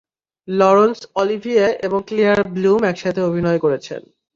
লরন্স Olivier এবং Claire Bloom একসাথে অভিনয় করেছেন।